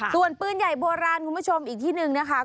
ส่วนปืนใหญ่โบราณคุณผู้ชมอีกที่หนึ่งนะคะ